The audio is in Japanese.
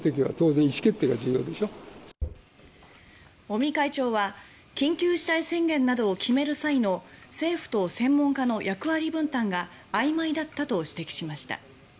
尾身会長は緊急事態宣言などを決める際の政府と専門家の役割分担があいまいだったと指摘しました。